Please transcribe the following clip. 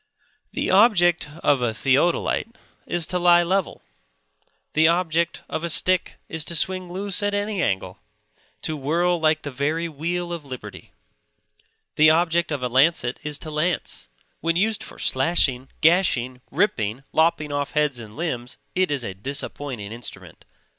The object of a theodolite is to lie level; the object of a stick is to swing loose at any angle; to whirl like the very wheel of liberty. The object of a lancet is to lance; when used for slashing, gashing, ripping, lopping off heads and limbs, it is a disappointing instrument.